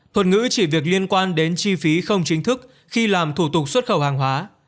thuật ngữ chỉ việc liên quan đến chi phí không chính thức khi làm thủ tục xuất khẩu hàng hóa